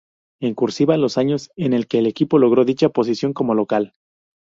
En "cursiva", los años en que el equipo logró dicha posición como local.